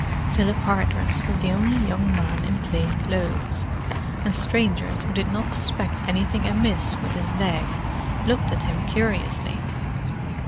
Philip Hardress was the only young man in plain clothes, and strangers who did not suspect anything amiss with his leg looked at him curiously.